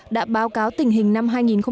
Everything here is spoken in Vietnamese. đã báo cáo tình hình năm hai nghìn một mươi chín